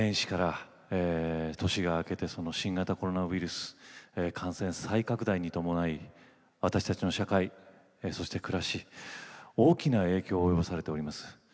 年明けからの新型コロナウイルス感染再拡大に伴い私たちの社会、そして暮らし大きく影響を及ぼされております。